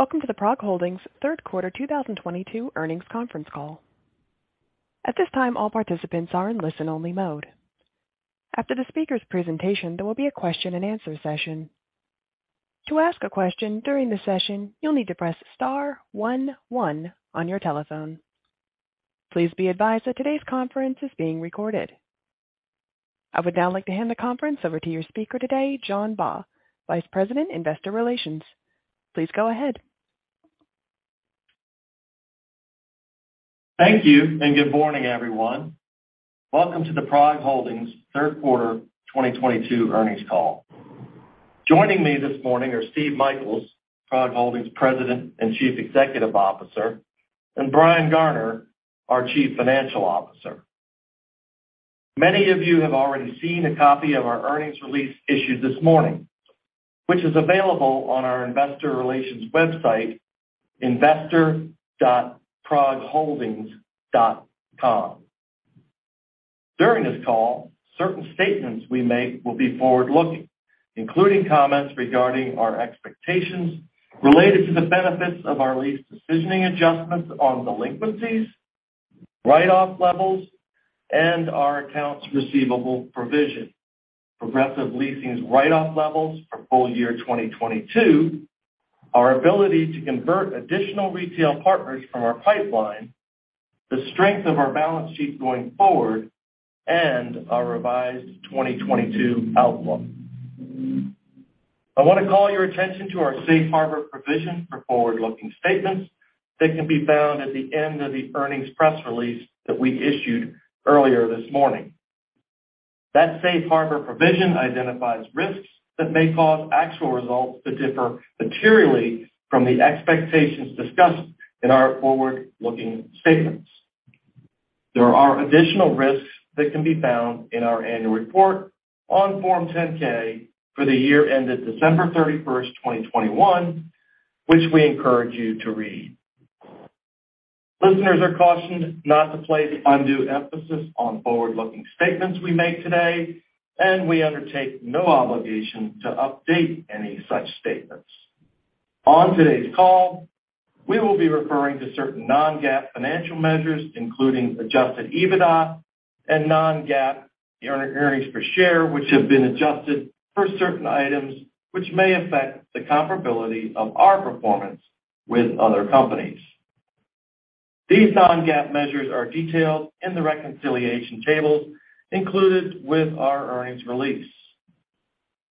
Welcome to the PROG Holdings third quarter 2022 earnings conference call. At this time, all participants are in listen-only mode. After the speaker's presentation, there will be a question-and-answer session. To ask a question during the session, you'll need to press *11 on your telephone. Please be advised that today's conference is being recorded. I would now like to hand the conference over to your speaker today, John Baugh, Vice President, Investor Relations. Please go ahead. Thank you, and good morning, everyone. Welcome to the PROG Holdings third quarter 2022 earnings call. Joining me this morning are Steve Michaels, PROG Holdings President and Chief Executive Officer, and Brian Garner, our Chief Financial Officer. Many of you have already seen a copy of our earnings release issued this morning, which is available on our investor relations website, investor.progholdings.com. During this call, certain statements we make will be forward-looking, including comments regarding our expectations related to the benefits of our lease decisioning adjustments on delinquencies, write-off levels, and our accounts receivable provision, Progressive Leasing's write-off levels for full year 2022, our ability to convert additional retail partners from our pipeline, the strength of our balance sheet going forward, and our revised 2022 outlook. I wanna call your attention to our safe harbor provision for forward-looking statements that can be found at the end of the earnings press release that we issued earlier this morning. That safe harbor provision identifies risks that may cause actual results to differ materially from the expectations discussed in our forward-looking statements. There are additional risks that can be found in our annual report on Form 10-K for the year ended December 31, 2021, which we encourage you to read. Listeners are cautioned not to place undue emphasis on forward-looking statements we make today, and we undertake no obligation to update any such statements. On today's call, we will be referring to certain non-GAAP financial measures, including Adjusted EBITDA and non-GAAP earnings per share, which have been adjusted for certain items which may affect the comparability of our performance with other companies. These non-GAAP measures are detailed in the reconciliation tables included with our earnings release.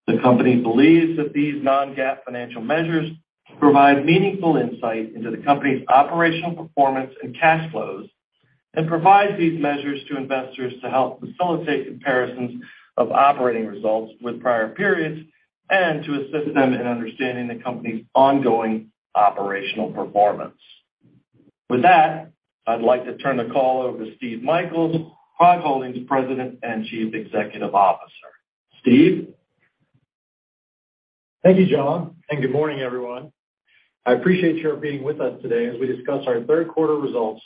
The company believes that these non-GAAP financial measures provide meaningful insight into the company's operational performance and cash flows and provide these measures to investors to help facilitate comparisons of operating results with prior periods and to assist them in understanding the company's ongoing operational performance. With that, I'd like to turn the call over to Steve Michaels, PROG Holdings President and Chief Executive Officer. Steve? Thank you, John, and good morning, everyone. I appreciate your being with us today as we discuss our third quarter results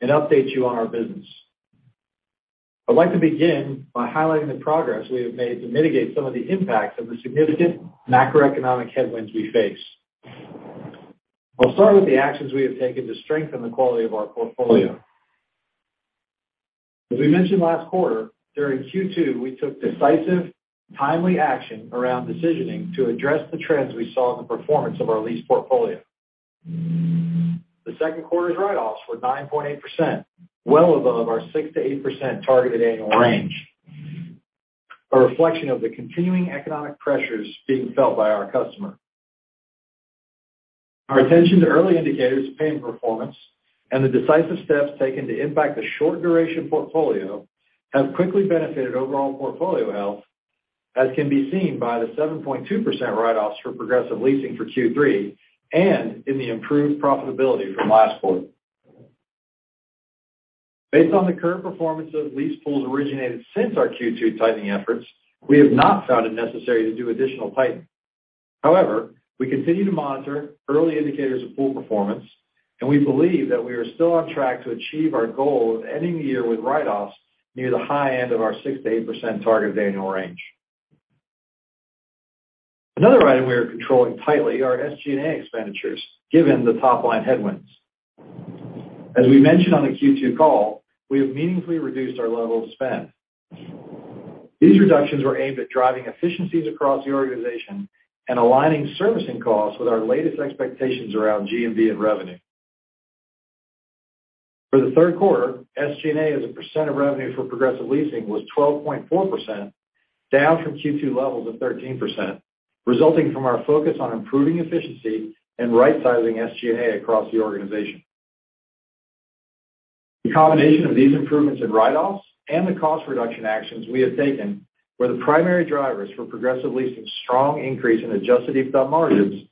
and update you on our business. I'd like to begin by highlighting the progress we have made to mitigate some of the impacts of the significant macroeconomic headwinds we face. I'll start with the actions we have taken to strengthen the quality of our portfolio. As we mentioned last quarter, during Q2, we took decisive, timely action around decisioning to address the trends we saw in the performance of our lease portfolio. The second quarter's write-offs were 9.8%, well above our 6%-8% targeted annual range, a reflection of the continuing economic pressures being felt by our customer. Our attention to early indicators of payment performance and the decisive steps taken to impact the short-duration portfolio have quickly benefited overall portfolio health, as can be seen by the 7.2% write-offs for Progressive Leasing for Q3 and in the improved profitability from last quarter. Based on the current performance of lease pools originated since our Q2 tightening efforts, we have not found it necessary to do additional tightening. However, we continue to monitor early indicators of pool performance, and we believe that we are still on track to achieve our goal of ending the year with write-offs near the high end of our 6%-8% targeted annual range. Another item we are controlling tightly are SG&A expenditures, given the top-line headwinds. As we mentioned on the Q2 call, we have meaningfully reduced our level of spend. These reductions were aimed at driving efficiencies across the organization and aligning servicing costs with our latest expectations around GMV and revenue. For the third quarter, SG&A as a percent of revenue for Progressive Leasing was 12.4%, down from Q2 levels of 13%, resulting from our focus on improving efficiency and right-sizing SG&A across the organization. The combination of these improvements in write-offs and the cost reduction actions we have taken were the primary drivers for Progressive Leasing's strong increase in Adjusted EBITDA margins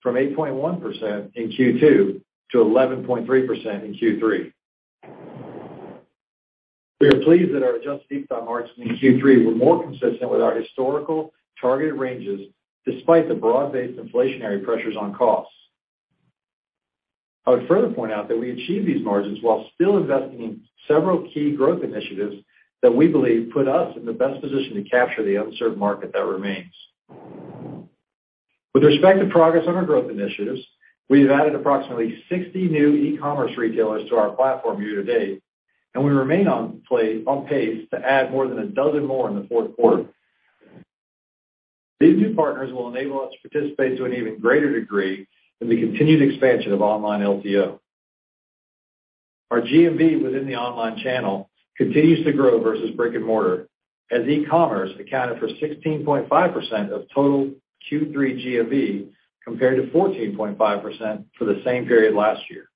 from 8.1% in Q2 to 11.3% in Q3. We are pleased that our Adjusted EBITDA margins in Q3 were more consistent with our historical targeted ranges despite the broad-based inflationary pressures on costs. I would further point out that we achieved these margins while still investing in several key growth initiatives that we believe put us in the best position to capture the unserved market that remains. With respect to progress on our growth initiatives, we've added approximately 60 new e-commerce retailers to our platform year-to-date, and we remain on pace to add more than a dozen more in the fourth quarter. These new partners will enable us to participate to an even greater degree in the continued expansion of online LTO. Our GMV within the online channel continues to grow versus brick-and-mortar, as e-commerce accounted for 16.5% of total Q3 GMV, compared to 14.5% for the same period last year.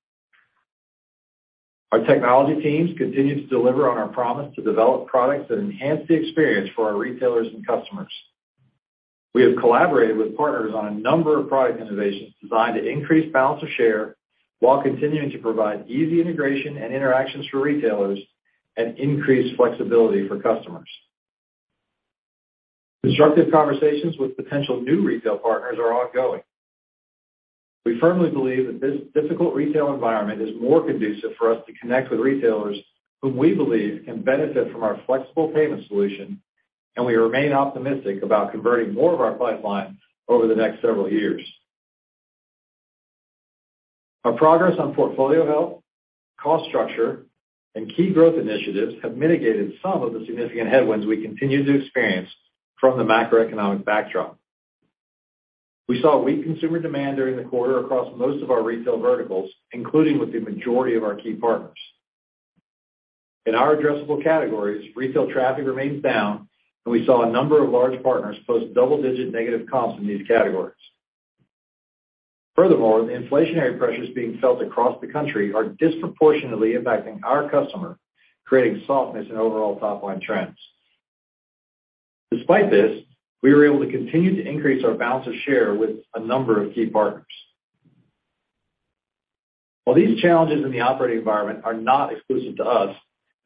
Our technology teams continue to deliver on our promise to develop products that enhance the experience for our retailers and customers. We have collaborated with partners on a number of product innovations designed to increase balance of share while continuing to provide easy integration and interactions for retailers and increased flexibility for customers. Constructive conversations with potential new retail partners are ongoing. We firmly believe that this difficult retail environment is more conducive for us to connect with retailers whom we believe can benefit from our flexible payment solution, and we remain optimistic about converting more of our pipeline over the next several years. Our progress on portfolio health, cost structure, and key growth initiatives have mitigated some of the significant headwinds we continue to experience from the macroeconomic backdrop. We saw weak consumer demand during the quarter across most of our retail verticals, including with the majority of our key partners. In our addressable categories, retail traffic remains down, and we saw a number of large partners post double-digit negative comps in these categories. Furthermore, the inflationary pressures being felt across the country are disproportionately impacting our customer, creating softness in overall top-line trends. Despite this, we were able to continue to increase our balance of share with a number of key partners. While these challenges in the operating environment are not exclusive to us,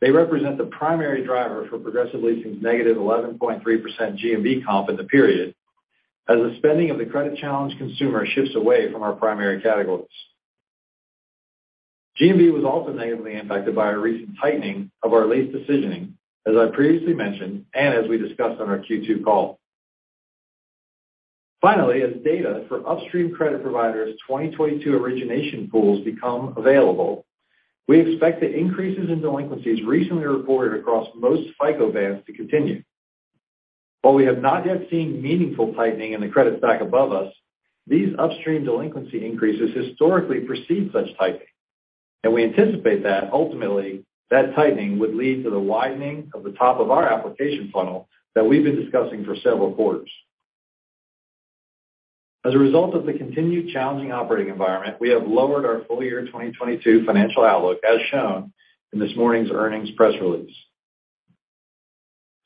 they represent the primary driver for Progressive Leasing's negative 11.3% GMV comp in the period as the spending of the credit-challenged consumer shifts away from our primary categories. GMV was also negatively impacted by our recent tightening of our lease decisioning, as I previously mentioned and as we discussed on our Q2 call. Finally, as data for upstream credit providers' 2022 origination pools become available, we expect the increases in delinquencies recently reported across most FICO bands to continue. While we have not yet seen meaningful tightening in the credit stack above us, these upstream delinquency increases historically precede such tightening. We anticipate that, ultimately, that tightening would lead to the widening of the top of our application funnel that we've been discussing for several quarters. As a result of the continued challenging operating environment, we have lowered our full-year 2022 financial outlook as shown in this morning's earnings press release.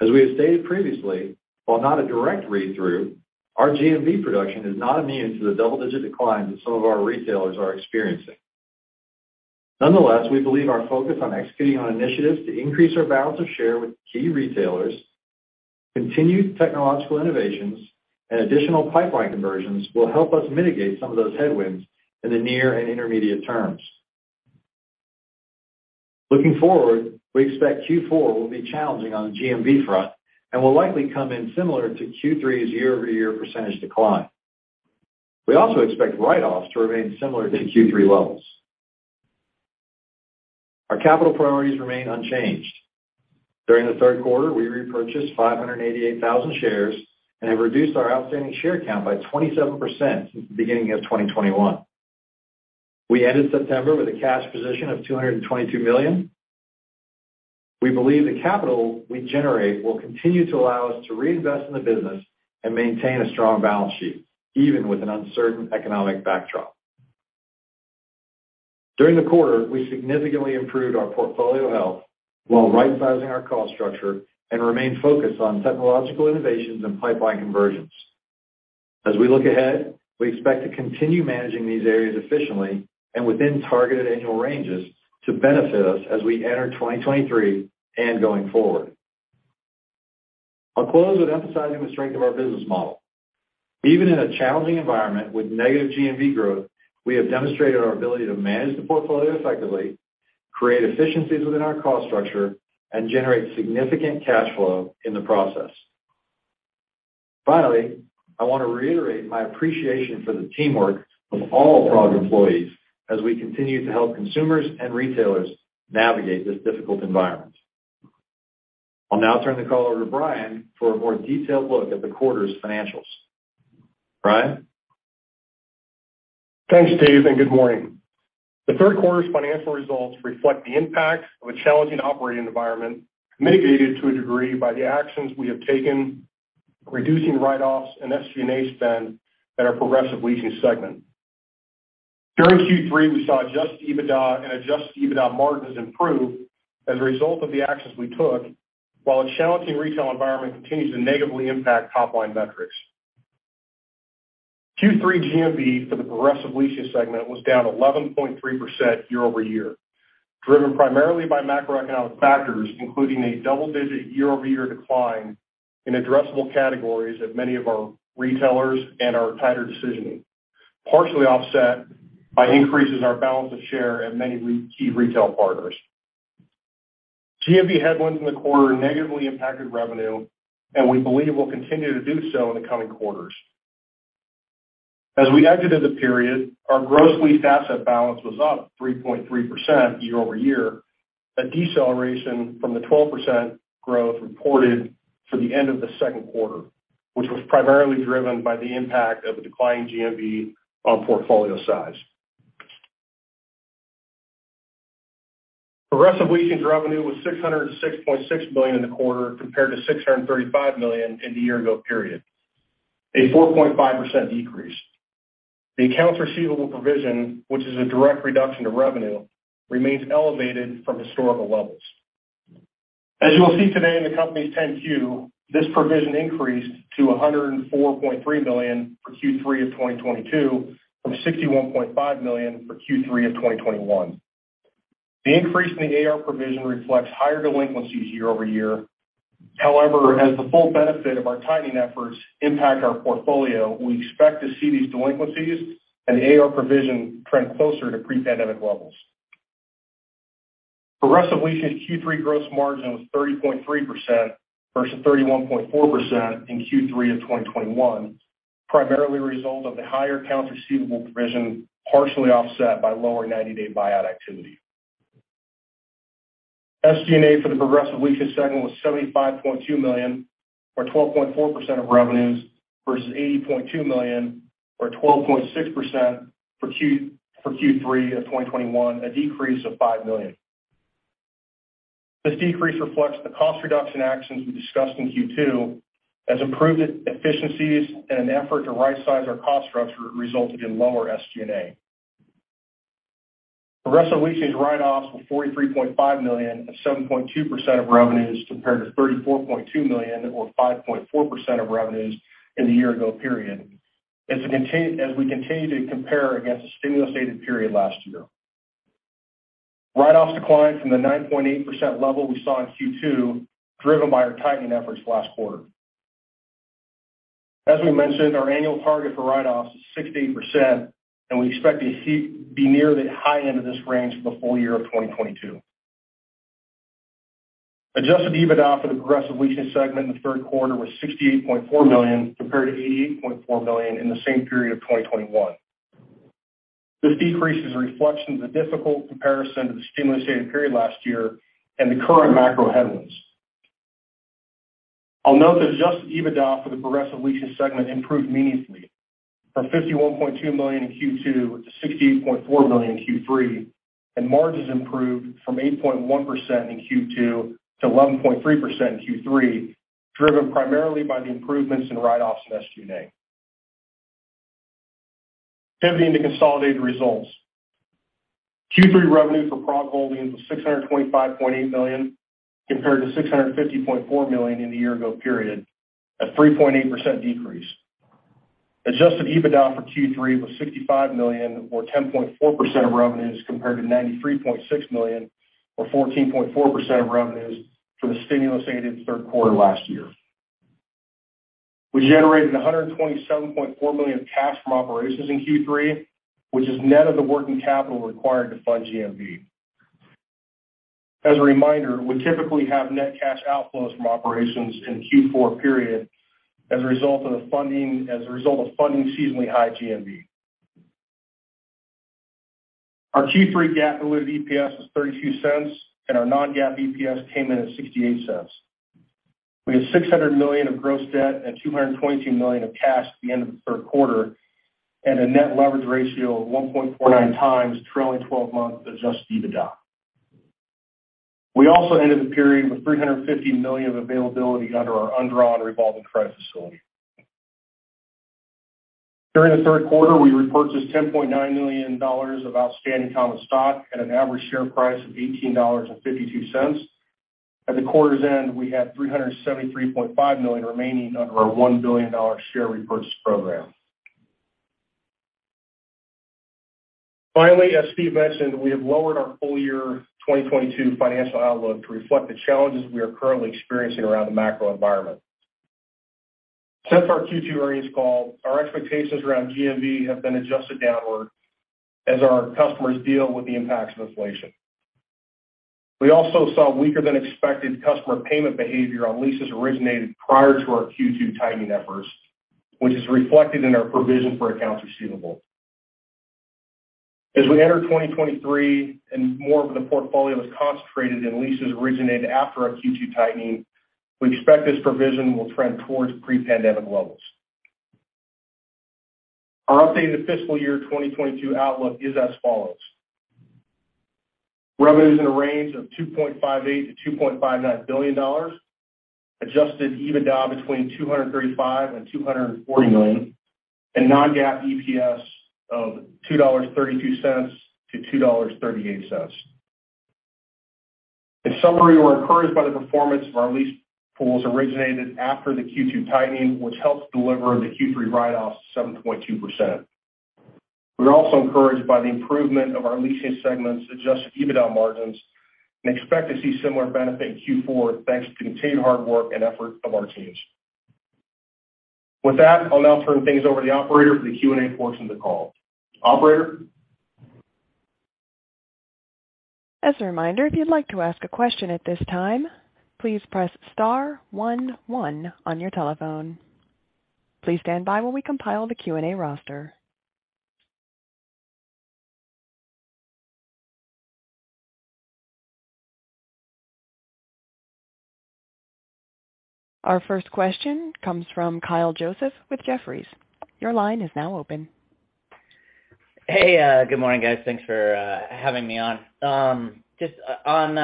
As we have stated previously, while not a direct read-through, our GMV production is not immune to the double-digit declines that some of our retailers are experiencing. Nonetheless, we believe our focus on executing on initiatives to increase our balance of share with key retailers, continued technological innovations, and additional pipeline conversions will help us mitigate some of those headwinds in the near and intermediate terms. Looking forward, we expect Q4 will be challenging on the GMV front and will likely come in similar to Q3's year-over-year percentage decline. We also expect write-offs to remain similar to Q3 levels. Our capital priorities remain unchanged. During the third quarter, we repurchased 588,000 shares and have reduced our outstanding share count by 27% since the beginning of 2021. We ended September with a cash position of $222 million. We believe the capital we generate will continue to allow us to reinvest in the business and maintain a strong balance sheet, even with an uncertain economic backdrop. During the quarter, we significantly improved our portfolio health while rightsizing our cost structure and remain focused on technological innovations and pipeline conversions. As we look ahead, we expect to continue managing these areas efficiently and within targeted annual ranges to benefit us as we enter 2023 and going forward. I'll close with emphasizing the strength of our business model. Even in a challenging environment with negative GMV growth, we have demonstrated our ability to manage the portfolio effectively, create efficiencies within our cost structure, and generate significant cash flow in the process. Finally, I wanna reiterate my appreciation for the teamwork of all PROG employees as we continue to help consumers and retailers navigate this difficult environment. I'll now turn the call over to Brian for a more detailed look at the quarter's financials. Brian? Thanks, Steve, and good morning. The third quarter's financial results reflect the impact of a challenging operating environment mitigated to a degree by the actions we have taken, reducing write-offs and SG&A spend at our Progressive Leasing segment. During Q3, we saw Adjusted EBITDA and Adjusted EBITDA margins improve as a result of the actions we took while a challenging retail environment continues to negatively impact top-line metrics. Q3 GMV for the Progressive Leasing segment was down 11.3% year-over-year. Driven primarily by macroeconomic factors, including a double-digit year-over-year decline in addressable categories at many of our retailers and our tighter decisioning, partially offset by increases in our balance of share at many key retail partners. GMV headwinds in the quarter negatively impacted revenue, and we believe will continue to do so in the coming quarters. As we exited the period, our gross leased asset balance was up 3.3% year over year. A deceleration from the 12% growth reported for the end of the second quarter, which was primarily driven by the impact of a declining GMV on portfolio size. Progressive Leasing's revenue was $606.6 million in the quarter, compared to $635 million in the year ago period, a 4.5% decrease. The accounts receivable provision, which is a direct reduction to revenue, remains elevated from historical levels. As you'll see today in the company's 10-Q, this provision increased to $104.3 million for Q3 of 2022 from $61.5 million for Q3 of 2021. The increase in the AR provision reflects higher delinquencies year over year. However, as the full benefit of our tightening efforts impact our portfolio, we expect to see these delinquencies and AR provision trend closer to pre-pandemic levels. Progressive Leasing's Q3 gross margin was 30.3% versus 31.4% in Q3 of 2021, primarily a result of the higher accounts receivable provision, partially offset by lower ninety-day buyout activity. SG&A for the Progressive Leasing segment was $75.2 million, or 12.4% of revenues versus $80.2 million or 12.6% for Q3 of 2021, a decrease of $5 million. This decrease reflects the cost reduction actions we discussed in Q2 as improved efficiencies in an effort to right size our cost structure resulted in lower SG&A. Progressive Leasing's write-offs were $43.5 million or 7.2% of revenues, compared to $34.2 million or 5.4% of revenues in the year ago period as we continue to compare against the stimulus-aided period last year. Write-offs declined from the 9.8% level we saw in Q2, driven by our tightening efforts last quarter. As we mentioned, our annual target for write-offs is 6%-8%, and we expect to be near the high end of this range for the full year of 2022. Adjusted EBITDA for the Progressive Leasing segment in the third quarter was $68.4 million, compared to $88.4 million in the same period of 2021. This decrease is a reflection of the difficult comparison to the stimulus-aided period last year and the current macro headwinds. I'll note that adjusted EBITDA for the Progressive Leasing segment improved meaningfully from $51.2 million in Q2 to $68.4 million in Q3, and margins improved from 8.1% in Q2 to 11.3% in Q3, driven primarily by the improvements in write-offs and SG&A. Pivoting to consolidated results. Q3 revenue for PROG Holdings was $625.8 million, compared to $650.4 million in the year ago period, a 3.8% decrease. Adjusted EBITDA for Q3 was $65 million or 10.4% of revenues, compared to $93.6 million or 14.4% of revenues for the stimulus-aided third quarter last year. We generated $127.4 million of cash from operations in Q3, which is net of the working capital required to fund GMV. As a reminder, we typically have net cash outflows from operations in Q4 period as a result of funding seasonally high GMV. Our Q3 GAAP diluted EPS was $0.32, and our non-GAAP EPS came in at $0.68. We had $600 million of gross debt and $222 million of cash at the end of the third quarter, and a net leverage ratio of 1.49x trailing twelve-month Adjusted EBITDA. We also ended the period with $350 million of availability under our undrawn revolving credit facility. During the third quarter, we repurchased $10.9 million of outstanding common stock at an average share price of $18.52. At the quarter's end, we had $373.5 million remaining under our $1 billion share repurchase program. Finally, as Steve mentioned, we have lowered our full year 2022 financial outlook to reflect the challenges we are currently experiencing around the macro environment. Since our Q2 earnings call, our expectations around GMV have been adjusted downward as our customers deal with the impacts of inflation. We also saw weaker than expected customer payment behavior on leases originated prior to our Q2 tightening efforts, which is reflected in our provision for accounts receivable. As we enter 2023 and more of the portfolio is concentrated in leases originated after our Q2 tightening, we expect this provision will trend towards pre-pandemic levels. Our updated fiscal year 2022 outlook is as follows. Revenue is in a range of $2.58 billion-$2.59 billion. Adjusted EBITDA between $235 million and $240 million. non-GAAP EPS of $2.32-$2.38. In summary, we're encouraged by the performance of our lease pools originated after the Q2 tightening, which helped deliver the Q3 write-offs 7.2%. We're also encouraged by the improvement of our leasing segment's Adjusted EBITDA margins and expect to see similar benefit in Q4, thanks to continued hard work and effort from our teams. With that, I'll now turn things over to the operator for the Q&A portion of the call. Operator? As a reminder, if you'd like to ask a question at this time, please press *11 on your telephone. Please stand by while we compile the Q&A roster. Our first question comes from Kyle Joseph with Jefferies. Your line is now open. Hey, good morning, guys. Thanks for having me on. Just on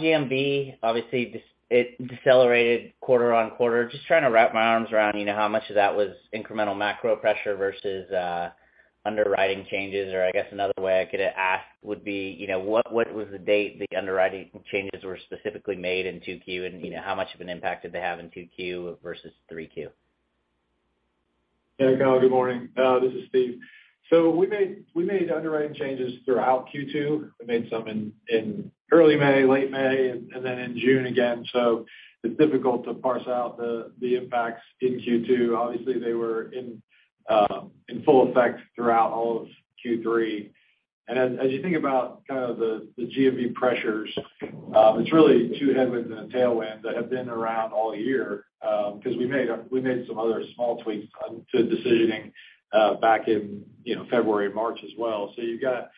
GMV, obviously it decelerated quarter-over-quarter. Just trying to wrap my arms around, you know, how much of that was incremental macro pressure versus underwriting changes, or I guess another way I could ask would be, you know, what was the date the underwriting changes were specifically made in 2Q and, you know, how much of an impact did they have in 2Q versus 3Q? Yeah. Kyle, good morning. This is Steve. We made underwriting changes throughout Q2. We made some in early May, late May, and then in June again. It's difficult to parse out the impacts in Q2. Obviously, they were in full effect throughout all of Q3. As you think about the GMV pressures, it's really two headwinds and a tailwind that have been around all year, 'cause we made some other small tweaks on to decisioning back in, you know, February, March as well. You've got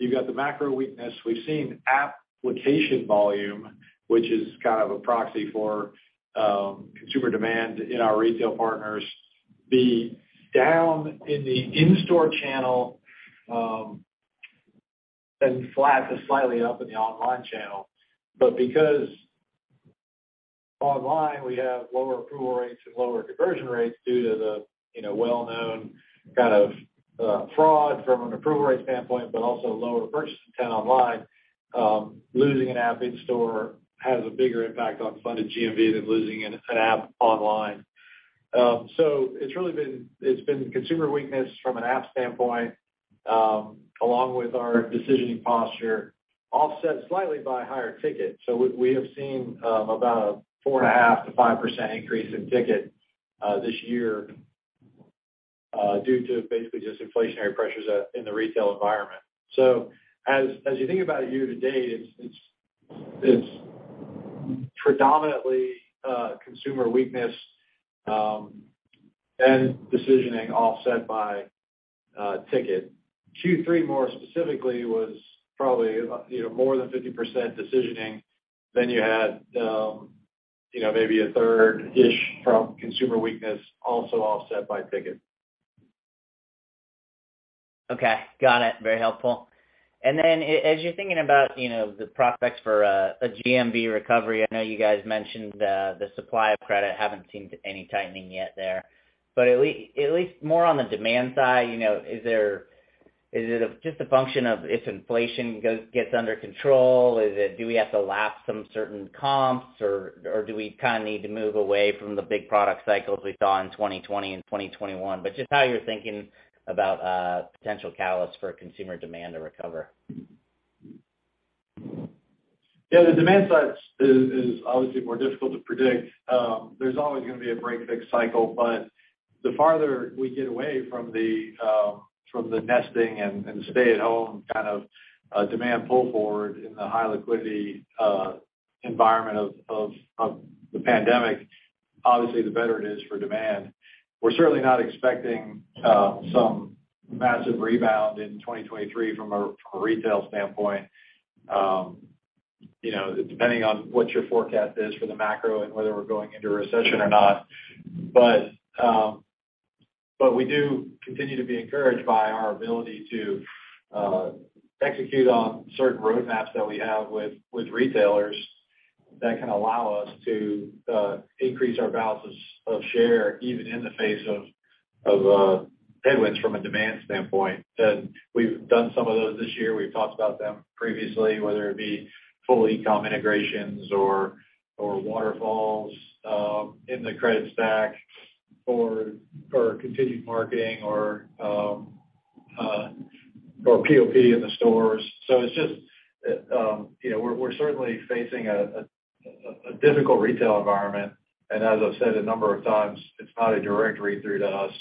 the macro weakness. We've seen application volume, which is kind of a proxy for consumer demand in our retail partners be down in the in-store channel, and flat to slightly up in the online channel. Because online we have lower approval rates and lower conversion rates due to the, you know, well-known kind of, fraud from an approval rate standpoint, but also lower purchase intent online, losing an app in store has a bigger impact on funded GMV than losing an app online. It's really been consumer weakness from an app standpoint, along with our decisioning posture, offset slightly by higher ticket. We have seen about a 4.5%-5% increase in ticket this year due to basically just inflationary pressures in the retail environment. As you think about year to date, it's predominantly consumer weakness and decisioning offset by ticket. Q3 more specifically was probably, you know, more than 50% decisioning. You had, you know, maybe a third-ish from consumer weakness also offset by ticket. Okay. Got it. Very helpful. As you're thinking about, you know, the prospects for a GMV recovery, I know you guys mentioned the supply of credit, we haven't seen any tightening yet there. At least more on the demand side, you know, is it just a function of if inflation gets under control? Is it do we have to lap some certain comps or do we kind of need to move away from the big product cycles we saw in 2020 and 2021? Just how you're thinking about potential catalysts for consumer demand to recover? Yeah. The demand side is obviously more difficult to predict. There's always gonna be a break-fix cycle, but the farther we get away from the nesting and stay-at-home kind of demand pull forward in the high liquidity environment of the pandemic, obviously the better it is for demand. We're certainly not expecting some massive rebound in 2023 from a retail standpoint, you know, depending on what your forecast is for the macro and whether we're going into recession or not. We do continue to be encouraged by our ability to execute on certain roadmaps that we have with retailers that can allow us to increase our balances of share even in the face of headwinds from a demand standpoint. We've done some of those this year. We've talked about them previously, whether it be full e-com integrations or waterfalls, in the credit stack or continued marketing or POP in the stores. It's just, you know, we're certainly facing a difficult retail environment. As I've said a number of times, it's not a direct read-through to us,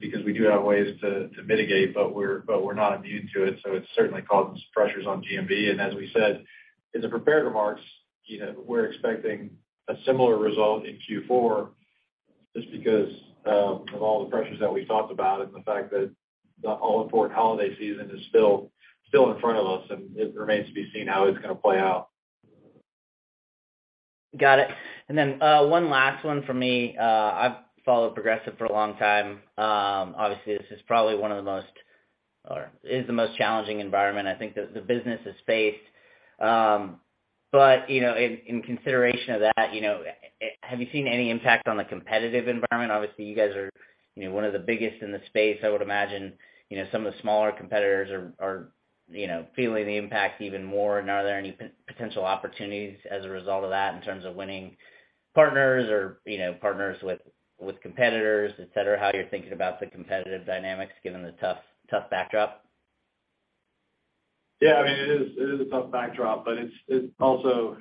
because we do have ways to mitigate, but we're not immune to it, so it certainly causes pressures on GMV. As we said in the prepared remarks, you know, we're expecting a similar result in Q4 just because of all the pressures that we talked about and the fact that the all-important holiday season is still in front of us, and it remains to be seen how it's gonna play out. Got it. One last one for me. I've followed Progressive for a long time. Obviously this is probably one of the most or is the most challenging environment I think the business has faced. But you know, in consideration of that, you know, have you seen any impact on the competitive environment? Obviously, you guys are you know, one of the biggest in the space. I would imagine, you know, some of the smaller competitors are you know, feeling the impact even more, and are there any potential opportunities as a result of that in terms of winning partners or, you know, partners with competitors, et cetera? How you're thinking about the competitive dynamics given the tough backdrop? Yeah, I mean, it is a tough backdrop, but it also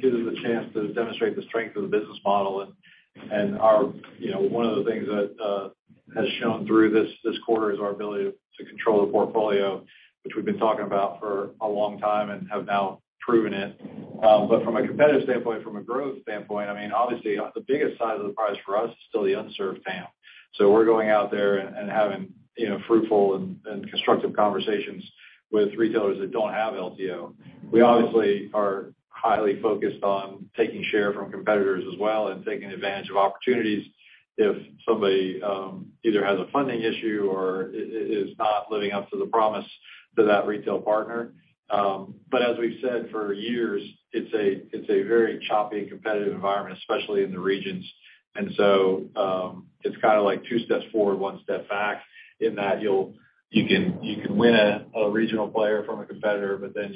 gives us a chance to demonstrate the strength of the business model. Our, you know, one of the things that has shown through this quarter is our ability to control the portfolio, which we've been talking about for a long time and have now proven it. But from a competitive standpoint, from a growth standpoint, I mean, obviously the biggest upside for us is still the unserved TAM. We're going out there and having, you know, fruitful and constructive conversations with retailers that don't have LTO. We obviously are highly focused on taking share from competitors as well and taking advantage of opportunities if somebody either has a funding issue or is not living up to the promise to that retail partner. As we've said for years, it's a very choppy competitive environment, especially in the regions. It's kind of like two steps forward, one step back in that you can win a regional player from a competitor, but then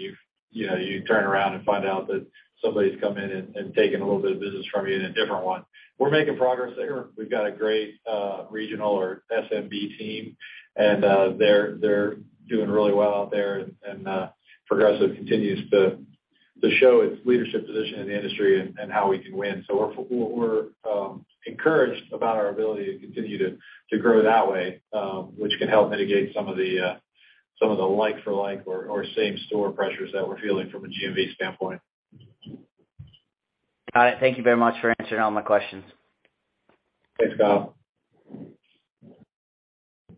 you know, you turn around and find out that somebody's come in and taken a little bit of business from you in a different one. We're making progress there. We've got a great regional or SMB team, and they're doing really well out there. Progressive continues to show its leadership position in the industry and how we can win. We're encouraged about our ability to continue to grow that way, which can help mitigate some of the like for like or same store pressures that we're feeling from a GMV standpoint. All right. Thank you very much for answering all my questions. Thanks, Kyle.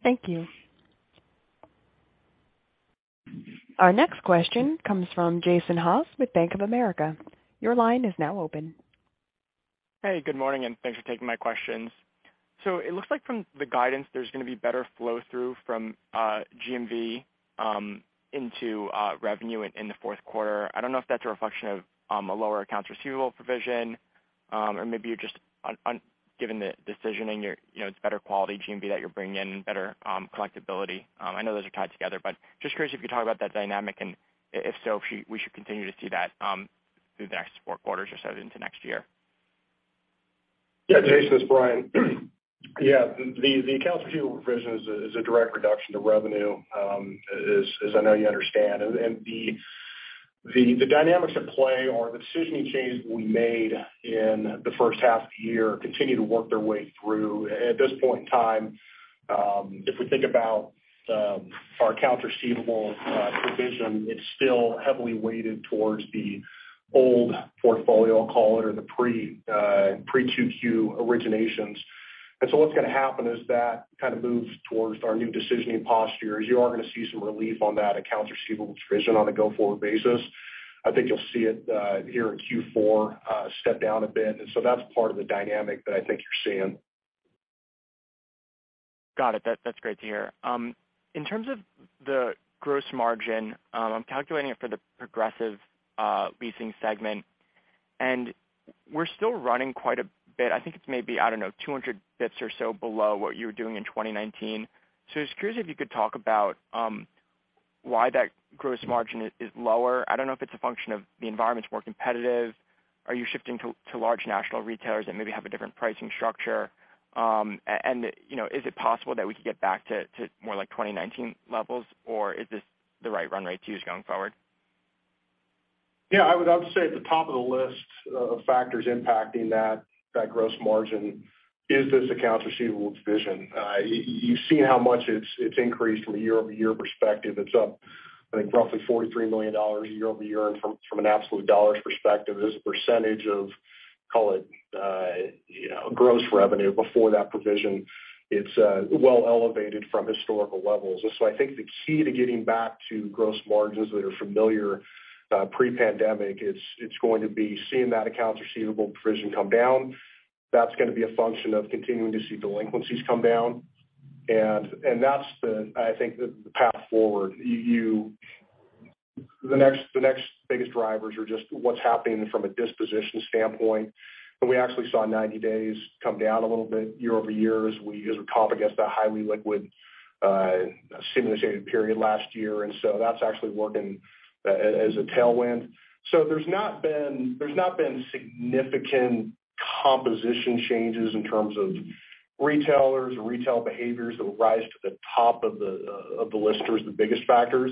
Thank you. Our next question comes from Jason Haas with Bank of America. Your line is now open. Hey, good morning, and thanks for taking my questions. It looks like from the guidance there's gonna be better flow through from GMV into revenue in the fourth quarter. I don't know if that's a reflection of a lower accounts receivable provision, or maybe you're just given the decisioning, you know, it's better quality GMV that you're bringing in better collectibility. I know those are tied together, but just curious if you could talk about that dynamic, and if so, if we should continue to see that through the next four quarters or so into next year. Yeah. Jason, it's Brian. Yeah. The accounts receivable provision is a direct reduction to revenue, as I know you understand. The dynamics at play or the decisioning changes we made in the first half of the year continue to work their way through. At this point in time, if we think about our accounts receivable provision, it's still heavily weighted towards the old portfolio, I'll call it, or the pre-2Q originations. What's gonna happen is that kind of moves towards our new decisioning posture. You are gonna see some relief on that accounts receivable provision on a go-forward basis. I think you'll see it here in Q4 step down a bit. That's part of the dynamic that I think you're seeing. Got it. That's great to hear. In terms of the gross margin, I'm calculating it for the Progressive Leasing segment, and we're still running quite a bit. I think it's maybe, I don't know, 200 basis points or so below what you were doing in 2019. Just curious if you could talk about why that gross margin is lower. I don't know if it's a function of the environment's more competitive. Are you shifting to large national retailers that maybe have a different pricing structure? And you know, is it possible that we could get back to more like 2019 levels, or is this the right run rate to use going forward? I would say at the top of the list of factors impacting that gross margin is this accounts receivable provision. You've seen how much it's increased from a year-over-year perspective. It's up, I think, roughly $43 million year-over-year. From an absolute dollars perspective, as a percentage of, call it, you know, gross revenue before that provision, it's well elevated from historical levels. I think the key to getting back to gross margins that are familiar pre-pandemic is it's going to be seeing that accounts receivable provision come down. That's gonna be a function of continuing to see delinquencies come down. That's the, I think, path forward. The next biggest drivers are just what's happening from a disposition standpoint. We actually saw 90 days come down a little bit year-over-year as we comp against the highly liquid, stimulative period last year. That's actually working as a tailwind. There's not been significant composition changes in terms of retailers or retail behaviors that will rise to the top of the list, the biggest factors.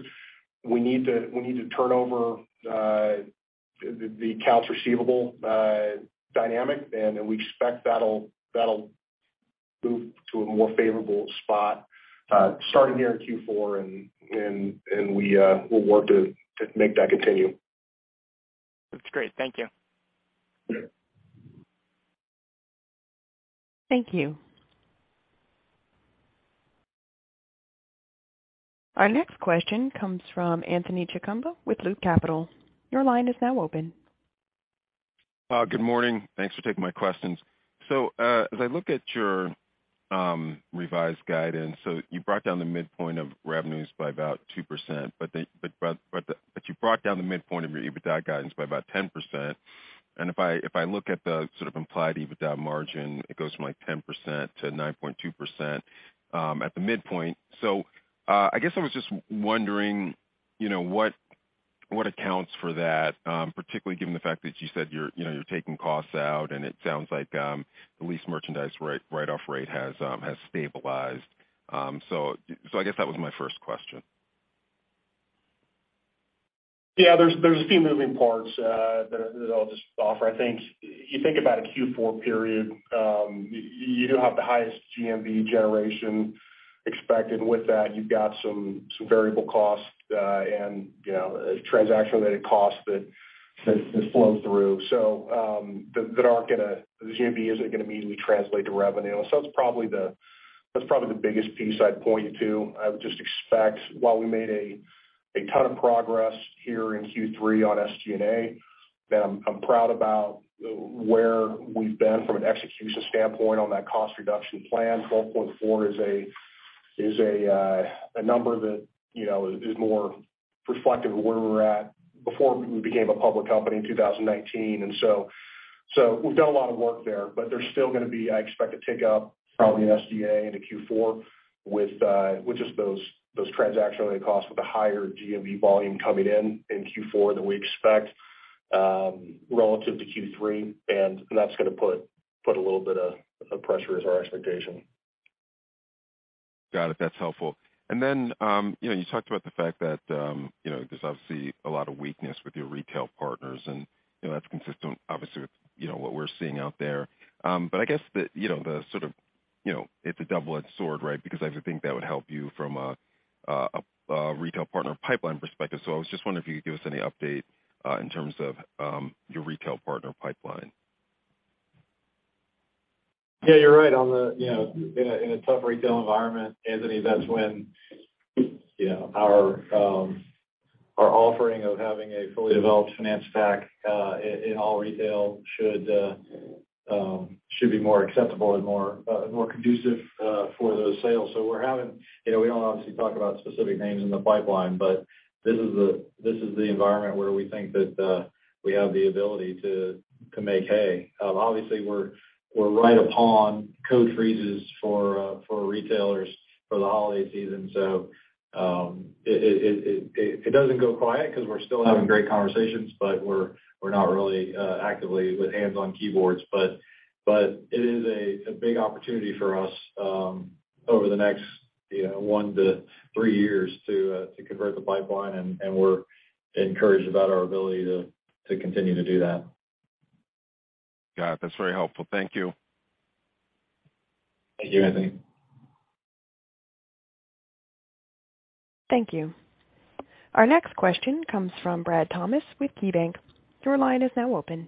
We need to turn over the accounts receivable dynamic, and we expect that'll move to a more favorable spot starting here in Q4, and we'll work to make that continue. That's great. Thank you. Yeah. Thank you. Our next question comes from Anthony Chukumba with Loop Capital. Your line is now open. Good morning. Thanks for taking my questions. As I look at your revised guidance, you brought down the midpoint of revenues by about 2%, but you brought down the midpoint of your EBITDA guidance by about 10%. If I look at the sort of implied EBITDA margin, it goes from, like, 10% to 9.2%, at the midpoint. I guess I was just wondering, you know, what accounts for that, particularly given the fact that you said you're, you know, you're taking costs out, and it sounds like the lease merchandise write-off rate has stabilized. I guess that was my first question. Yeah, there's a few moving parts that I'll just offer. I think you think about a Q4 period, you do have the highest GMV generation expected. With that, you've got some variable costs and, you know, transaction-related costs that flow through. So, that aren't gonna. The GMV isn't gonna immediately translate to revenue. So that's probably the biggest piece I'd point you to. I would just expect while we made a ton of progress here in Q3 on SG&A, that I'm proud about where we've been from an execution standpoint on that cost reduction plan. 12.4 is a number that, you know, is more reflective of where we're at before we became a public company in 2019. We've done a lot of work there, but there's still gonna be, I expect, a tick up probably in SG&A into Q4 with just those transaction-related costs with the higher GMV volume coming in in Q4 than we expect, relative to Q3. That's gonna put a little bit of pressure is our expectation. Got it. That's helpful. You know, you talked about the fact that, you know, there's obviously a lot of weakness with your retail partners, and, you know, that's consistent obviously with, you know, what we're seeing out there. I guess the, you know, the sort of, you know, it's a double-edged sword, right? Because I would think that would help you from a retail partner pipeline perspective. I was just wondering if you could give us any update, in terms of, your retail partner pipeline. Yeah, you're right. In a tough retail environment, Anthony, that's when, you know, our offering of having a fully developed finance stack in all retail should be more acceptable and more conducive for those sales. We're having. You know, we don't obviously talk about specific names in the pipeline, but this is the environment where we think that we have the ability to make hay. Obviously, we're right upon code freezes for retailers for the holiday season. It doesn't go quiet 'cause we're still having great conversations, but we're not really actively with hands on keyboards. It is a big opportunity for us over the next, you know, 1-3 years to convert the pipeline, and we're encouraged about our ability to continue to do that. Got it. That's very helpful. Thank you. Thank you, Anthony. Thank you. Our next question comes from Brad Thomas with KeyBanc Capital Markets. Your line is now open.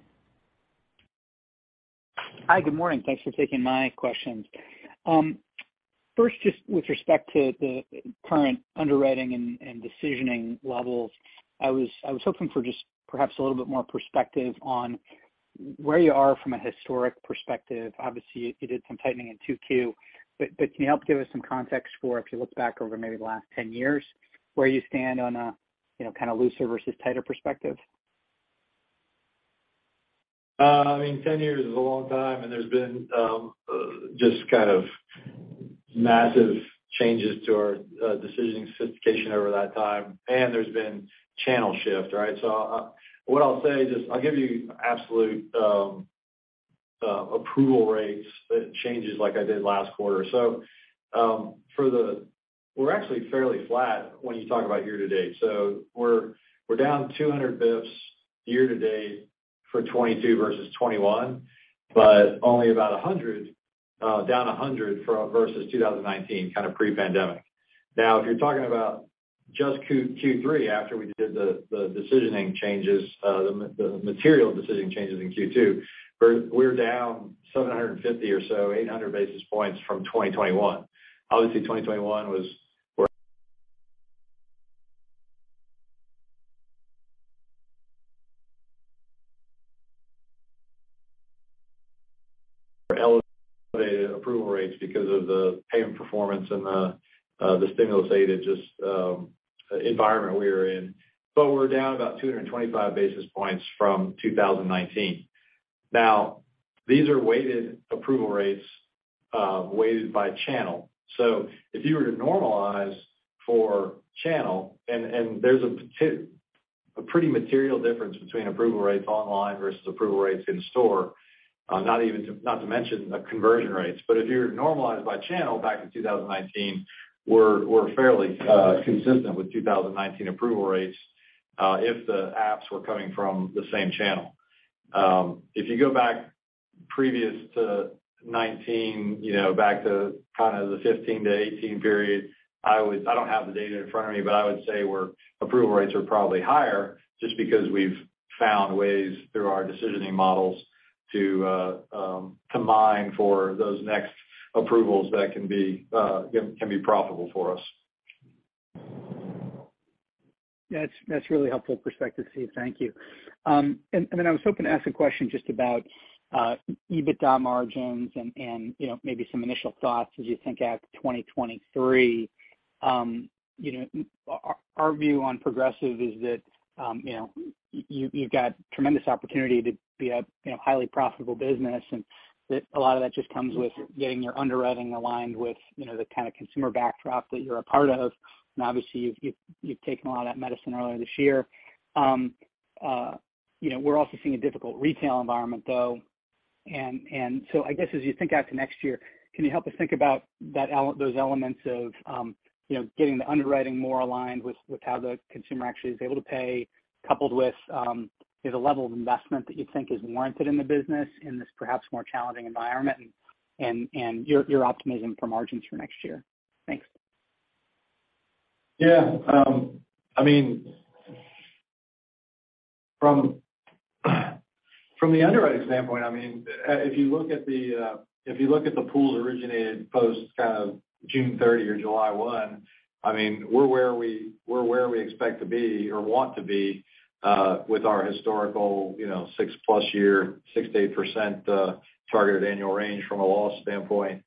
Hi. Good morning. Thanks for taking my questions. First, just with respect to the current underwriting and decisioning levels, I was hoping for just perhaps a little bit more perspective on where you are from a historical perspective. Obviously, you did some tightening in 2Q. Can you help give us some context for if you look back over maybe the last 10 years where you stand on a, you know, kind of looser versus tighter perspective? I mean, 10 years is a long time, and there's been just kind of massive changes to our decisioning sophistication over that time, and there's been channel shift, right? What I'll say is just I'll give you absolute approval rates changes like I did last quarter. We're actually fairly flat when you talk about year-to-date. We're down 200 basis points year-to-date for 2022 versus 2021, but only about 100, down 100 versus 2019, kind of pre-pandemic. Now, if you're talking about just Q3 after we did the decisioning changes, the material decision changes in Q2, we're down 750 or so, 800 basis points from 2021. Obviously, 2021 was elevated approval rates because of the payment performance and the stimulus aided just environment we were in. We're down about 225 basis points from 2019. Now, these are weighted approval rates, weighted by channel. If you were to normalize for channel, and there's a pretty material difference between approval rates online versus approval rates in store, not to mention the conversion rates. If you were to normalize by channel back in 2019, we're fairly consistent with 2019 approval rates, if the apps were coming from the same channel. If you go back previous to 2019, you know, back to kind of the 2015 to 2018 period, I would say our approval rates are probably higher just because we've found ways through our decisioning models to combine for those next approvals that can be profitable for us. That's really helpful perspective, Steve. Thank you. I was hoping to ask a question just about EBITDA margins and you know, maybe some initial thoughts as you think out to 2023. You know, our view on Progressive is that you know, you've got tremendous opportunity to be a you know, highly profitable business, and that a lot of that just comes with getting your underwriting aligned with you know, the kind of consumer backdrop that you're a part of. Obviously, you've taken a lot of that medicine earlier this year. You know, we're also seeing a difficult retail environment, though. I guess as you think out to next year, can you help us think about those elements of, you know, getting the underwriting more aligned with how the consumer actually is able to pay, coupled with, you know, the level of investment that you think is warranted in the business in this perhaps more challenging environment and your optimism for margins for next year? Thanks. Yeah. I mean, from the underwriting standpoint, I mean, if you look at the pools originated post kind of June 30 or July 1, I mean, we're where we expect to be or want to be, with our historical, you know, 6+-year, 6%-8% targeted annual range from a loss standpoint.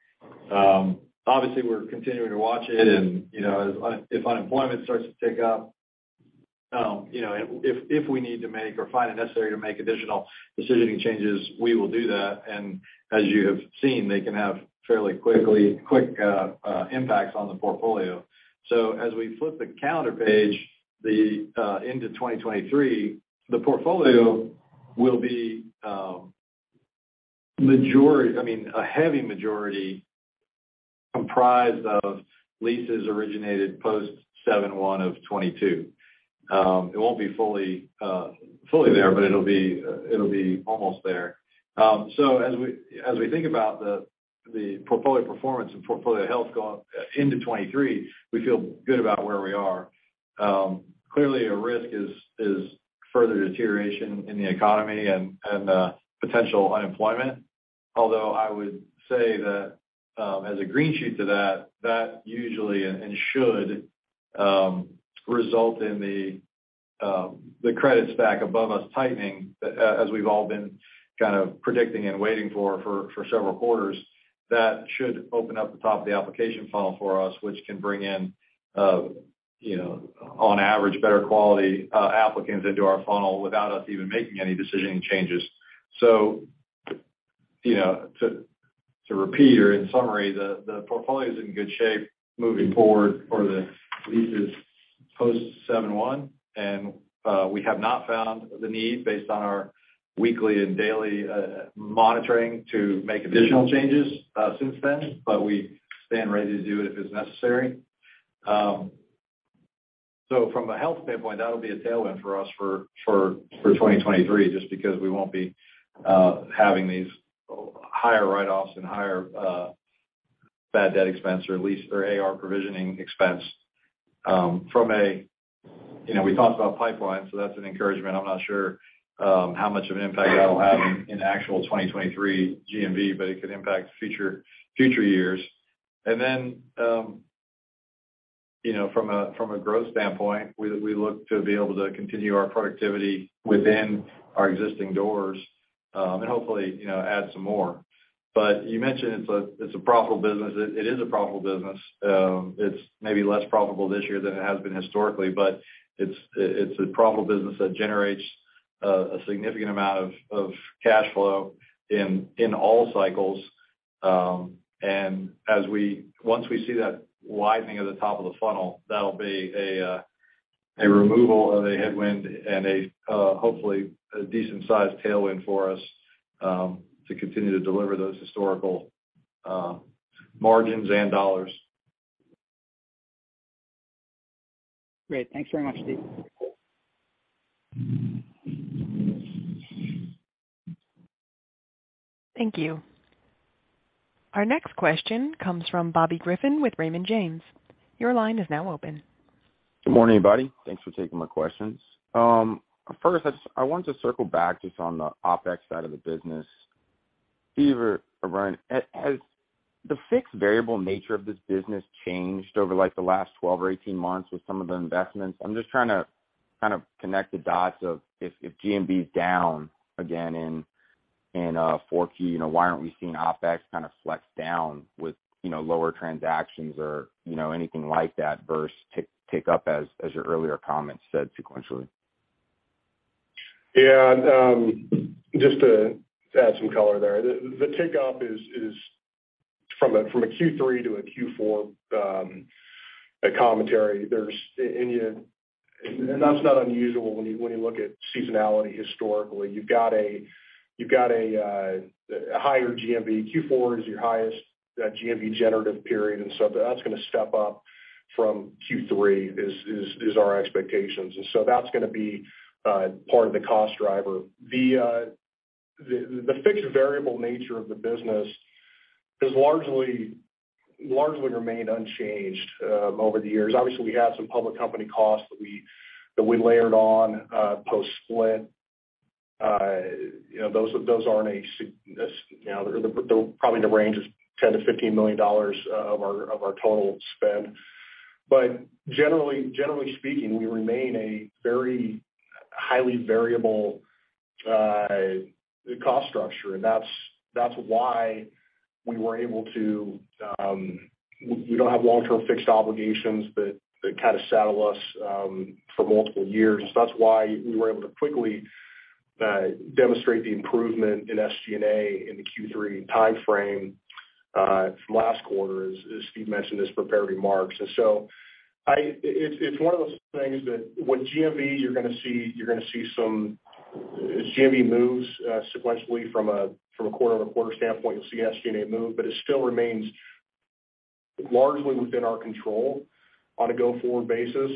Obviously, we're continuing to watch it. You know, if unemployment starts to tick up, you know, if we need to make or find it necessary to make additional decisioning changes, we will do that. As you have seen, they can have fairly quick impacts on the portfolio. As we flip the calendar page into 2023, the portfolio will be majority. I mean, a heavy majority comprised of leases originated post 7/1/2022. It won't be fully there, but it'll be almost there. As we think about the portfolio performance and portfolio health going into 2023, we feel good about where we are. Clearly a risk is further deterioration in the economy and potential unemployment. Although I would say that, as a green shoot to that usually and should result in the credit stack above us tightening, as we've all been kind of predicting and waiting for several quarters. That should open up the top of the application funnel for us, which can bring in, you know, on average, better quality applicants into our funnel without us even making any decisioning changes. To repeat or in summary, you know, the portfolio is in good shape moving forward for the leases post 7/1. We have not found the need based on our weekly and daily monitoring to make additional changes since then, but we stand ready to do it if it's necessary. From a health standpoint, that'll be a tailwind for us for 2023, just because we won't be having these higher write-offs and higher bad debt expense or lease or AR provisioning expense. You know, we talked about pipeline, so that's an encouragement. I'm not sure how much of an impact that'll have in actual 2023 GMV, but it could impact future years. From a growth standpoint, we look to be able to continue our productivity within our existing doors, and hopefully, you know, add some more. You mentioned it's a profitable business. It is a profitable business. It's maybe less profitable this year than it has been historically, but it's a profitable business that generates a significant amount of cash flow in all cycles. Once we see that widening at the top of the funnel, that'll be a removal of a headwind and hopefully a decent-sized tailwind for us to continue to deliver those historical margins and dollars. Great. Thanks very much, Steve. Thank you. Our next question comes from Bobby Griffin with Raymond James. Your line is now open. Good morning, everybody. Thanks for taking my questions. First, I just wanted to circle back just on the OpEx side of the business. Steve or Brian, has the fixed variable nature of this business changed over, like, the last 12 or 18 months with some of the investments? I'm just trying to kind of connect the dots of if GMV is down again in 4Q, you know, why aren't we seeing OpEx kind of flex down with, you know, lower transactions or, you know, anything like that versus tick up as your earlier comments said sequentially. Yeah. Just to add some color there. The tick up is from a Q3 to a Q4 commentary. That's not unusual when you look at seasonality historically. You've got a higher GMV. Q4 is your highest GMV generative period, and so that's gonna step up from Q3 is our expectations. So that's gonna be part of the cost driver. The fixed variable nature of the business has largely remained unchanged over the years. Obviously, we have some public company costs that we layered on post-split. You know, those aren't. You know, they're probably in the range of $10-$15 million of our total spend. Generally speaking, we remain a very highly variable cost structure. That's why we were able to. We don't have long-term fixed obligations that kind of saddle us for multiple years. That's why we were able to quickly demonstrate the improvement in SG&A in the Q3 timeframe. From last quarter, as Steve mentioned, his prepared remarks. It's one of those things that with GMV, you're gonna see some. As GMV moves sequentially from a quarter-over-quarter standpoint, you'll see SG&A move, but it still remains largely within our control on a go-forward basis.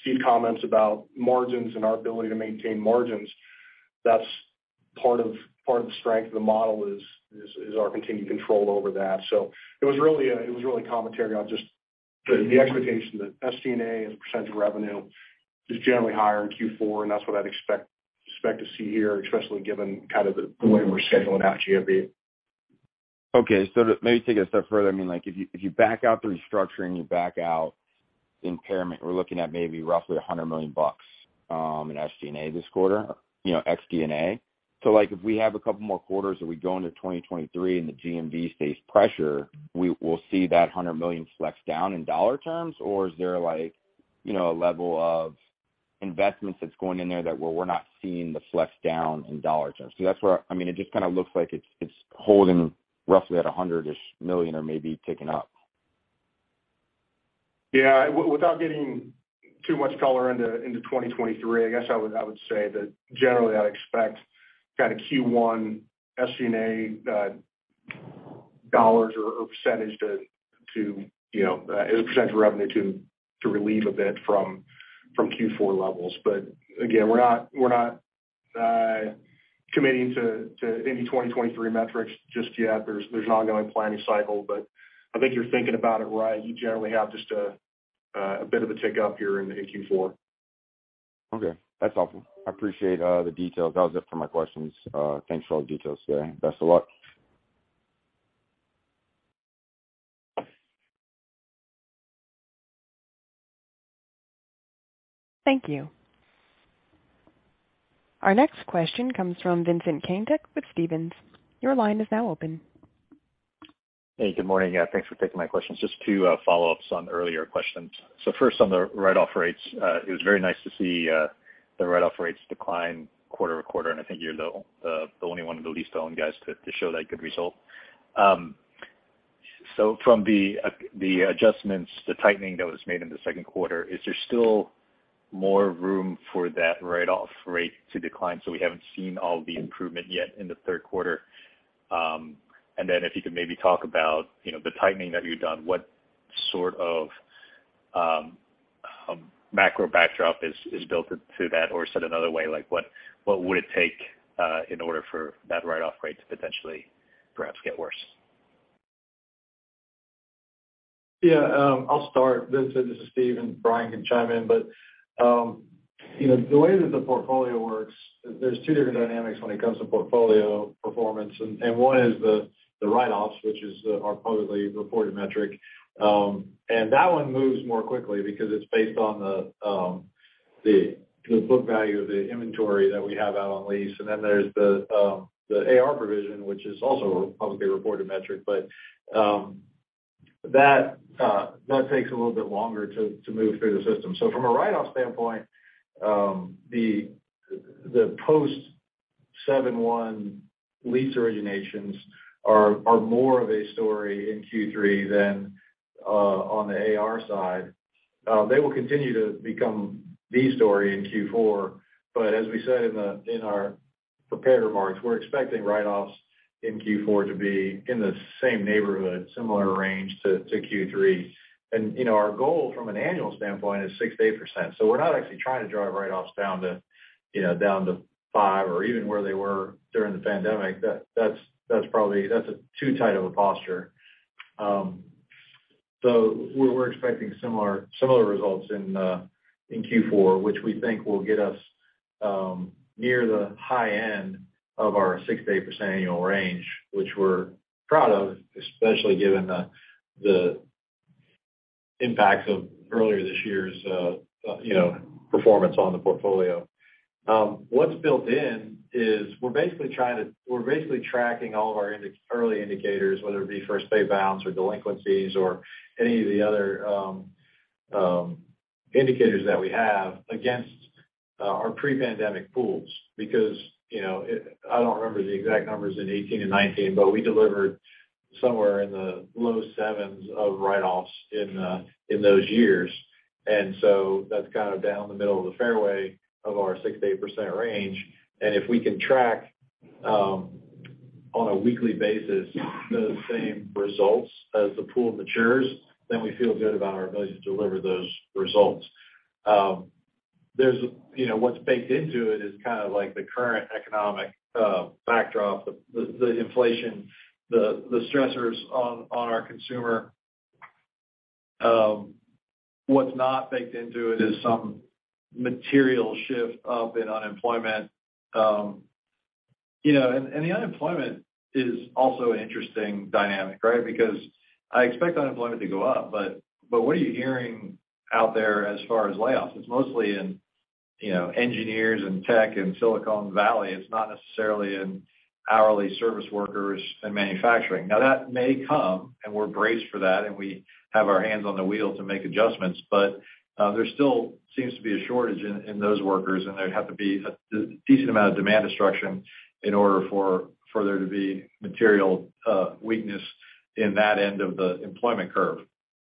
Steve comments about margins and our ability to maintain margins. That's part of the strength of the model is our continued control over that. It was really commentary on just the expectation that SG&A as a percentage of revenue is generally higher in Q4, and that's what I'd expect to see here, especially given kind of the way we're scheduling out GMV. Okay. To maybe take it a step further, I mean, like, if you back out the restructuring, you back out impairment, we're looking at maybe roughly $100 million in SG&A this quarter, you know, ex D&A. Like, if we have a couple more quarters that we go into 2023 and the GMV stays pressured, we'll see that $100 million flex down in dollar terms? Or is there, like, you know, a level of investments that's going in there that we're not seeing the flex down in dollar terms? That's where, I mean, it just kinda looks like it's holding roughly at a $100-ish million or maybe ticking up. Yeah. Without getting too much color into 2023, I guess I would say that generally I'd expect kinda Q1 SG&A dollars or percentage to, you know, as a percentage of revenue to relieve a bit from Q4 levels. Again, we're not committing to any 2023 metrics just yet. There's an ongoing planning cycle, but I think you're thinking about it right. You generally have just a bit of a tick up here in Q4. Okay. That's helpful. I appreciate the details. That was it for my questions. Thanks for all the details today. Best of luck. Thank you. Our next question comes from Vincent Caintic with Stephens. Your line is now open. Hey, good morning. Yeah, thanks for taking my questions. Just two follow-ups on earlier questions. First on the write-off rates, it was very nice to see the write-off rates decline quarter-over-quarter, and I think you're the only one of the lease-to-own guys to show that good result. From the adjustments, the tightening that was made in the second quarter, is there still more room for that write-off rate to decline so we haven't seen all the improvement yet in the third quarter? If you could maybe talk about, you know, the tightening that you've done, what sort of macro backdrop is built into that, or said another way, like, what would it take in order for that write-off rate to potentially perhaps get worse? Yeah. I'll start. Vincent Caintic, this is Steve Michaels, and Brian Garner can chime in. You know, the way that the portfolio works, there's two different dynamics when it comes to portfolio performance. One is the write-offs, which is our publicly reported metric. That one moves more quickly because it's based on the book value of the inventory that we have out on lease. Then there's the AR provision, which is also a publicly reported metric. That takes a little bit longer to move through the system. From a write-off standpoint, the post 7-1 lease originations are more of a story in Q3 than on the AR side. They will continue to become the story in Q4. As we said in our prepared remarks, we're expecting write-offs in Q4 to be in the same neighborhood, similar range to Q3. You know, our goal from an annual standpoint is 6%-8%. We're not actually trying to drive write-offs down to, you know, down to 5 or even where they were during the pandemic. That's probably. That's a too tight of a posture. We're expecting similar results in Q4, which we think will get us near the high end of our 6%-8% annual range, which we're proud of, especially given the impacts of earlier this year's you know, performance on the portfolio. What's built in is we're basically tracking all of our index early indicators, whether it be first pay bounce or delinquencies or any of the other indicators that we have against our pre-pandemic pools. Because, you know, I don't remember the exact numbers in 2018 and 2019, but we delivered somewhere in the low sevens of write-offs in those years. That's kind of down the middle of the fairway of our 6%-8% range. If we can track on a weekly basis those same results as the pool matures, then we feel good about our ability to deliver those results. There's you know, what's baked into it is kind of like the current economic backdrop, the inflation, the stressors on our consumer. What's not baked into it is some material shift up in unemployment. You know, and the unemployment is also an interesting dynamic, right? Because I expect unemployment to go up, but what are you hearing out there as far as layoffs? It's mostly in you know engineers and tech in Silicon Valley. It's not necessarily in hourly service workers and manufacturing. Now, that may come, and we're braced for that, and we have our hands on the wheel to make adjustments. There still seems to be a shortage in those workers, and there'd have to be a decent amount of demand destruction in order for there to be material weakness in that end of the employment curve.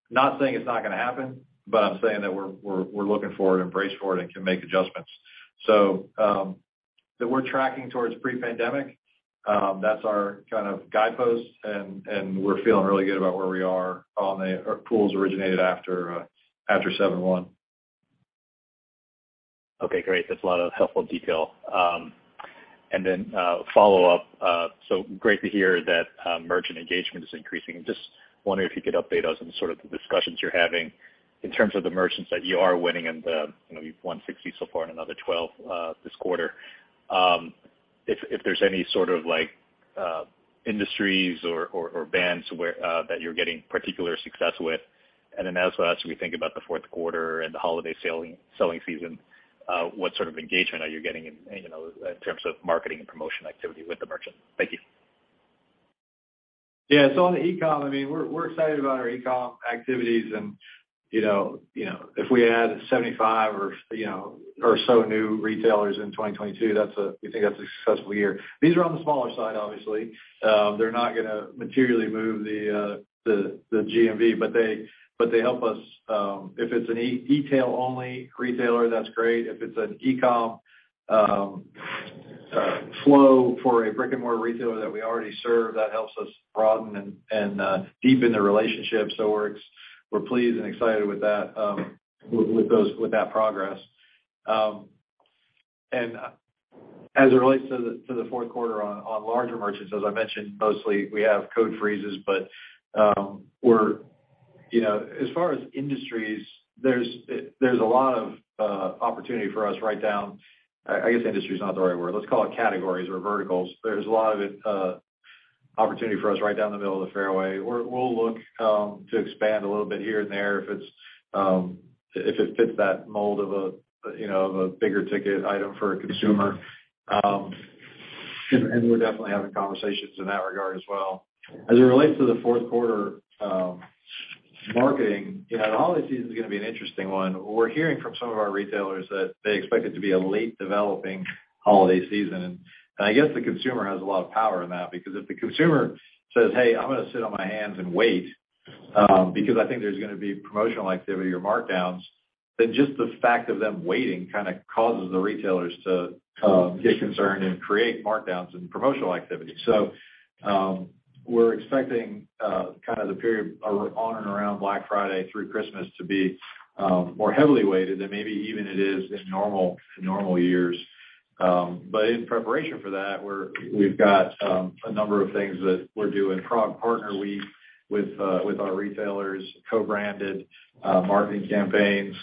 Not saying it's not gonna happen, but I'm saying that we're looking for it and brace for it and can make adjustments. That we're tracking towards pre-pandemic. That's our kind of guidepost, and we're feeling really good about where we are on the pools originated after 7/1. Okay, great. That's a lot of helpful detail. Follow-up. Great to hear that merchant engagement is increasing. I'm just wondering if you could update us on sort of the discussions you're having in terms of the merchants that you are winning and, you know, you've won 60 so far and another 12 this quarter. If there's any sort of like industries or brands where you're getting particular success with. As well as we think about the fourth quarter and the holiday selling season, what sort of engagement are you getting in, you know, in terms of marketing and promotion activity with the merchant? Thank you. Yeah. On the e-com, I mean, we're excited about our e-com activities and, you know, if we add 75 or so new retailers in 2022, we think that's a successful year. These are on the smaller side, obviously. They're not gonna materially move the GMV, but they help us if it's an e-tail only retailer, that's great. If it's an e-com flow for a brick-and-mortar retailer that we already serve, that helps us broaden and deepen the relationship. We're pleased and excited with that progress. As it relates to the fourth quarter on larger merchants, as I mentioned, mostly we have code freezes. We're, you know, as far as industries, there's a lot of opportunity for us right down. I guess industry is not the right word. Let's call it categories or verticals. There's a lot of opportunity for us right down the middle of the fairway. We'll look to expand a little bit here and there if it fits that mold of a, you know, of a bigger ticket item for a consumer. And we're definitely having conversations in that regard as well. As it relates to the fourth quarter, marketing, you know, the holiday season is gonna be an interesting one. We're hearing from some of our retailers that they expect it to be a late developing holiday season. I guess the consumer has a lot of power in that because if the consumer says, "Hey, I'm gonna sit on my hands and wait, because I think there's gonna be promotional activity or markdowns," then just the fact of them waiting kinda causes the retailers to get concerned and create markdowns and promotional activity. We're expecting kind of the period on and around Black Friday through Christmas to be more heavily weighted than maybe even it is in normal years. But in preparation for that, we've got a number of things that we're doing. Partner week with our retailers, co-branded marketing campaigns,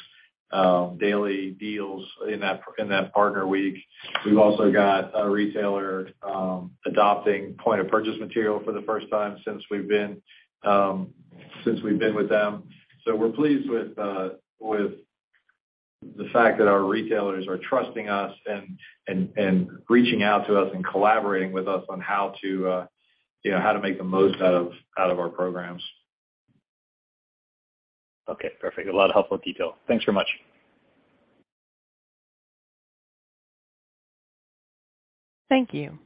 daily deals in that partner week. We've also got a retailer adopting point of purchase material for the first time since we've been with them. We're pleased with the fact that our retailers are trusting us and reaching out to us and collaborating with us on how to, you know, make the most out of our programs. Okay, perfect. A lot of helpful detail. Thanks very much. Thank you.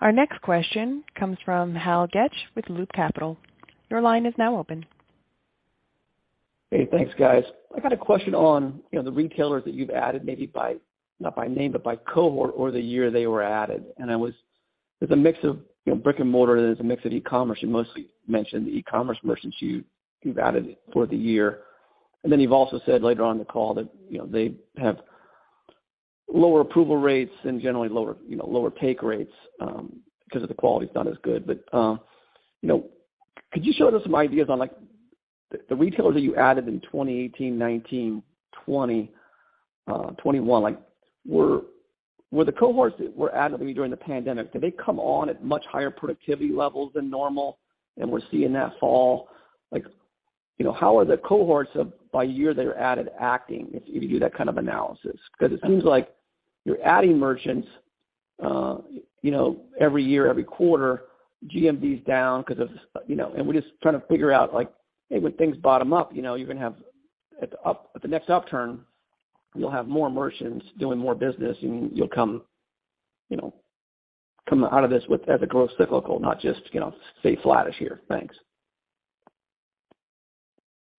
Our next question comes from Anthony Chukumba with Loop Capital Markets. Your line is now open. Hey, thanks, guys. I got a question on, you know, the retailers that you've added maybe by, not by name, but by cohort or the year they were added. There's a mix of, you know, brick-and-mortar, there's a mix of e-commerce. You mostly mentioned the e-commerce merchants you've added for the year. Then you've also said later on in the call that, you know, they have lower approval rates and generally lower, you know, lower take rates because the quality is not as good. You know, could you show us some ideas on, like, the retailers that you added in 2018, 2019, 2020, 2021, like were the cohorts that were added maybe during the pandemic, did they come on at much higher productivity levels than normal, and we're seeing that fall? Like, you know, how are the cohorts of by year that are added acting if you do that kind of analysis? Because it seems like you're adding merchants, you know, every year, every quarter, GMV is down because of, you know, and we're just trying to figure out, like, hey, when things bottom out, you know, you're gonna have at the next upturn, you'll have more merchants doing more business, and you'll come, you know, come out of this with as a growth cyclical, not just, you know, stay flattish here. Thanks.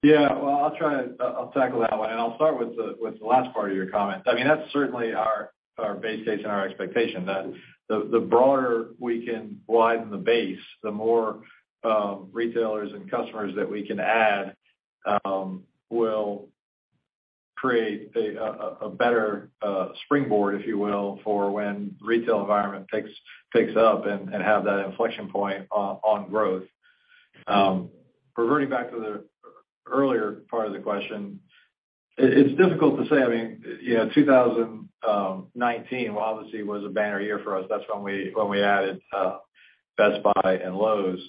Yeah. Well, I'll try. I'll tackle that one, and I'll start with the last part of your comment. I mean, that's certainly our base case and our expectation, that the broader we can widen the base, the more retailers and customers that we can add will create a better springboard, if you will, for when retail environment picks up and have that inflection point on growth. Reverting back to the earlier part of the question, it's difficult to say. I mean, you know, 2019 obviously was a banner year for us. That's when we added Best Buy and Lowe's.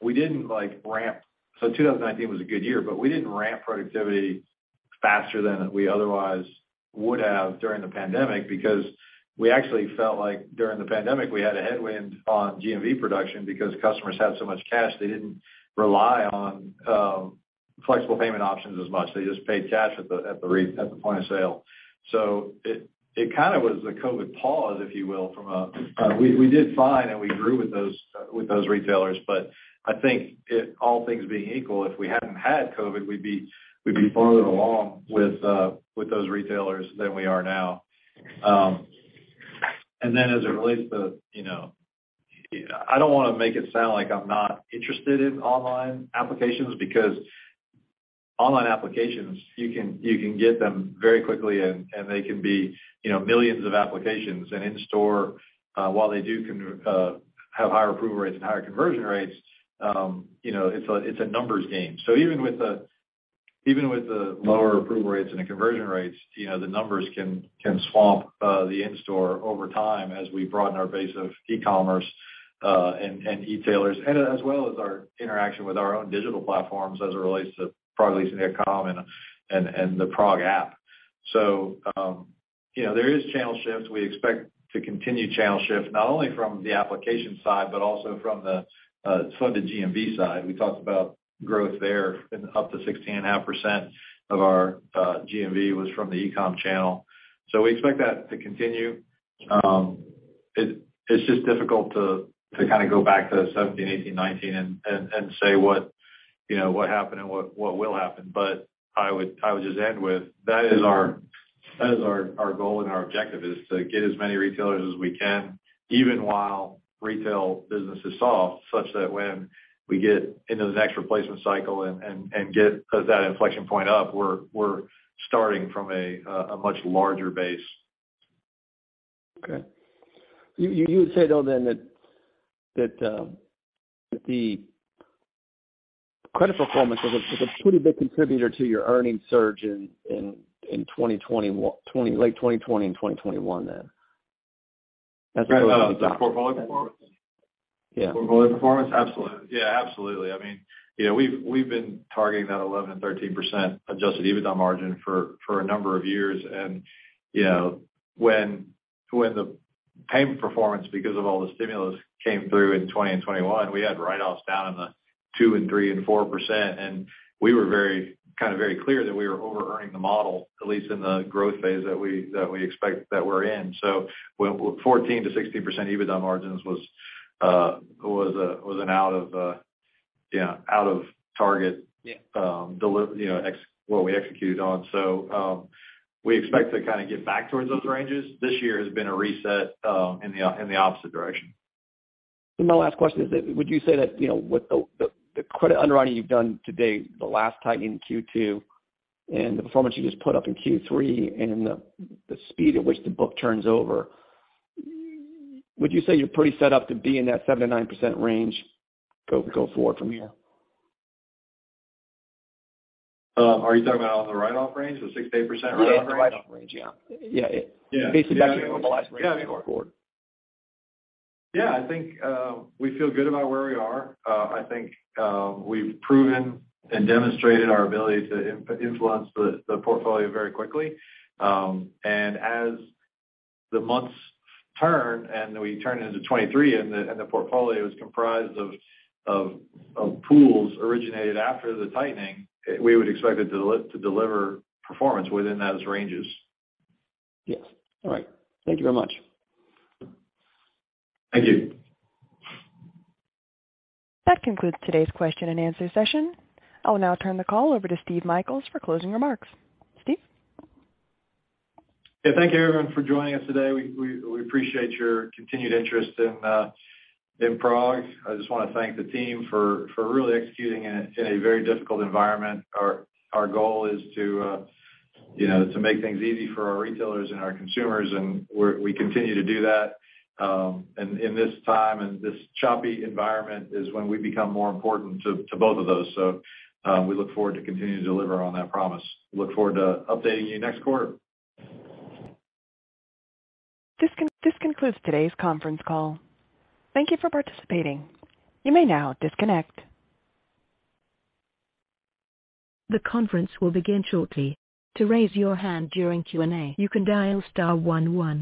We didn't like ramp... 2019 was a good year, but we didn't ramp productivity faster than we otherwise would have during the pandemic because we actually felt like during the pandemic, we had a headwind on GMV production because customers had so much cash, they didn't rely on flexible payment options as much. They just paid cash at the point of sale. It kind of was a COVID pause, if you will. We did fine, and we grew with those retailers. But I think if all things being equal, if we hadn't had COVID, we'd be further along with those retailers than we are now. As it relates to, you know, I don't wanna make it sound like I'm not interested in online applications because online applications, you can get them very quickly and they can be, you know, millions of applications. In-store, while they do have higher approval rates and higher conversion rates, you know, it's a numbers game. Even with the lower approval rates and the conversion rates, you know, the numbers can swamp the in-store over time as we broaden our base of e-commerce and e-tailers, and as well as our interaction with our own digital platforms as it relates to Prog Leasing and e-com and the Prog app. You know, there is channel shifts. We expect to continue channel shifts, not only from the application side, but also from the funded GMV side. We talked about growth there and up to 16.5% of our GMV was from the e-com channel. We expect that to continue. It's just difficult to kinda go back to 2017, 2018, 2019 and say what, you know, what happened and what will happen. I would just end with that is our goal and our objective is to get as many retailers as we can, even while retail business is soft, such that when we get into the next replacement cycle and get that inflection point up, we're starting from a much larger base. Okay. You would say, though, then that the credit performance was a pretty big contributor to your earnings surge in late 2020 and 2021 then? The portfolio performance? Yeah. Portfolio performance? Absolutely. Yeah, absolutely. I mean, you know, we've been targeting that 11%-13% adjusted EBITDA margin for a number of years. You know, when the payment performance, because of all the stimulus came through in 2020 and 2021, we had write-offs down in the 2%-4%, and we were very, kind of very clear that we were overearning the model, at least in the growth phase that we expect that we're in. When 14%-16% EBITDA margins was an out of, yeah, out of target- Yeah. you know, what we executed on. We expect to kinda get back towards those ranges. This year has been a reset in the opposite direction. My last question is that would you say that, you know, with the credit underwriting you've done to date, the last tightening in Q2 and the performance you just put up in Q3 and the speed at which the book turns over, would you say you're pretty set up to be in that 7%-9% range going forward from here? Are you talking about the write-off range, the 6%-8% write-off range? Yeah, the write-off range. Yeah. Based on going forward. Yeah, I think we feel good about where we are. I think we've proven and demonstrated our ability to influence the portfolio very quickly. As the months turn and we turn into 2023 and the portfolio is comprised of pools originated after the tightening, we would expect it to deliver performance within those ranges. Yes. All right. Thank you very much. Thank you. That concludes today's question and answer session. I will now turn the call over to Steve Michaels for closing remarks. Steve? Yeah. Thank you, everyone, for joining us today. We appreciate your continued interest in PROG. I just wanna thank the team for really executing in a very difficult environment. Our goal is to make things easy for our retailers and our consumers, and we continue to do that. In this time and this choppy environment is when we become more important to both of those. We look forward to continuing to deliver on that promise. Look forward to updating you next quarter. This concludes today's conference call. Thank you for participating. You may now disconnect. The conference will begin shortly. To raise your hand during Q&A, you can dial *11.